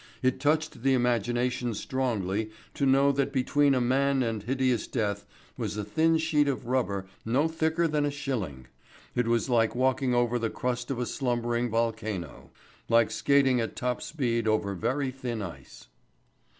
It touched the imagination strongly to know that between a man and hideous death was a thin sheet of rubber no thicker than a shilling. It was like walking over the crust of a slumbering volcano; like skating at top speed over very thin ice.